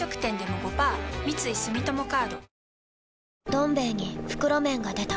「どん兵衛」に袋麺が出た